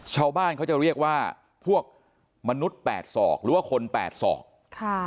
ชาวบ้านเขาจะเรียกว่าพวกมนุษย์แปดศอกหรือว่าคนแปดศอกค่ะ